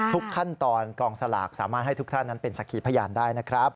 ทุกขั้นตอนกองสลากสามารถให้ทุกท่านนั้นเป็นสักขีพยานได้นะครับ